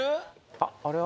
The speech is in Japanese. あっあれは？